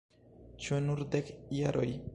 Ĉu nur dek jaroj?